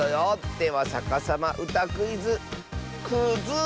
では「さかさまうたクイズ」くづつ。